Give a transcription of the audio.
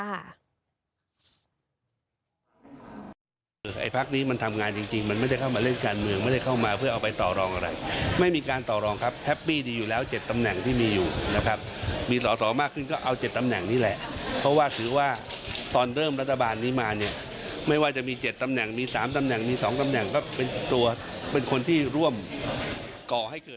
ไอ้พักนี้มันทำงานจริงจริงมันไม่ได้เข้ามาเล่นการเมืองไม่ได้เข้ามาเพื่อเอาไปต่อรองอะไรไม่มีการต่อรองครับแฮปปี้ดีอยู่แล้ว๗ตำแหน่งที่มีอยู่นะครับมีสอสอมากขึ้นก็เอา๗ตำแหน่งนี่แหละเพราะว่าถือว่าตอนเริ่มรัฐบาลนี้มาเนี่ยไม่ว่าจะมี๗ตำแหน่งมี๓ตำแหน่งมี๒ตำแหน่งก็เป็นตัวเป็นคนที่ร่วมก่อให้เกิด